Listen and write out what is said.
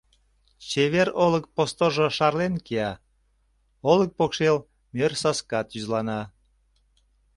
Чевер олык постожо шарлен кия, Олык покшел мӧр саска тӱзлана.